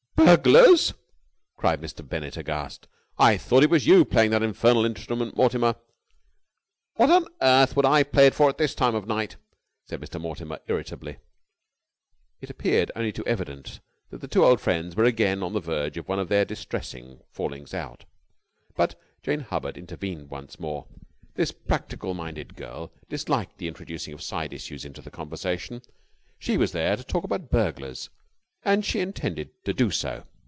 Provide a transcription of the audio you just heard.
"Burglars!" cried Mr. Bennett aghast. "I thought it was you playing that infernal instrument, Mortimer." "What on earth should I play it for at this time of night?" said Mr. Mortimer irritably. It appeared only too evident that the two old friends were again on the verge of one of their distressing fallings out: but Jane Hubbard intervened once more. This practical minded girl disliked the introducing of side issues into the conversation. She was there to talk about burglars, and she intended to do so.